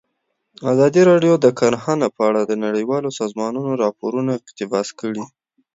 ازادي راډیو د کرهنه په اړه د نړیوالو سازمانونو راپورونه اقتباس کړي.